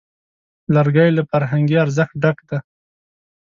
لرګی له فرهنګي ارزښت ډک دی.